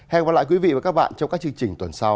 hẹn gặp lại quý vị và các bạn trong các chương trình tuần sau